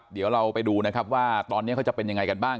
เดี๋ยวเราไปดูนะครับว่าตอนนี้เขาจะเป็นยังไงกันบ้าง